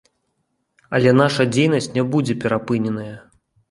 Але наша дзейнасць не будзе перапыненая.